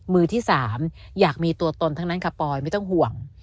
มือที่๓อยากมีตัวตนทั้งนั้นค่ะปอยไม่ต้องห่วง